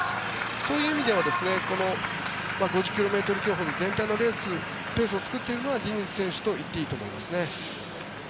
そういう意味では５０ｋｍ競歩の全体のレースペースをペースを作っているのはディニズ選手と言ってもいいと思います。